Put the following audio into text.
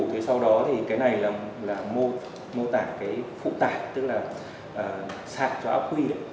thế sau đó thì cái này là mô tả cái phụ tải tức là sạc cho áp huy